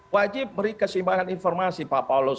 wajib beri keseimbangan informasi pak paulus